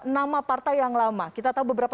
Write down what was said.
nama partai yang lama kita tahu beberapa